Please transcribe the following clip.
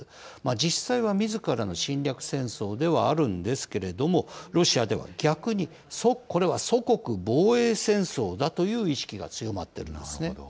実際はみずからの侵略戦争ではあるんですけれども、ロシアでは逆に、これは祖国防衛戦争だという意識が強まっているんですね。